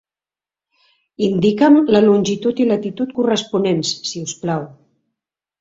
Indica'm la longitud i latitud corresponents, si us plau!